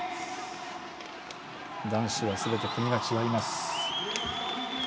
男子は、すべて国が違います。